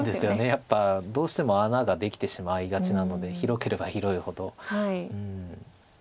やっぱどうしても穴ができてしまいがちなので広ければ広いほど。